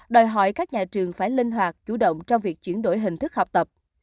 đòi hỏi các nhà trường phải linh hoạt chủ động trong việc chuyển đổi hình thức học tập